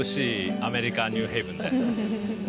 アメリカニューヘイブンです。